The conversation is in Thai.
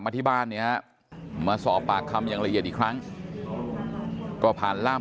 ที่บ้านเนี่ยฮะมาสอบปากคำอย่างละเอียดอีกครั้งก็ผ่านล่าม